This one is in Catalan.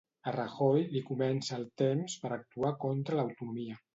A Rajoy li comença el temps per actuar contra l'autonomia.